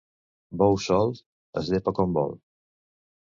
Bou solt es llepa com vol.